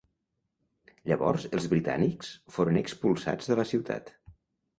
Llavors els britànics foren expulsats de la ciutat.